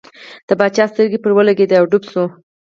د باچا سترګې پر ولګېدې او ډوب شو.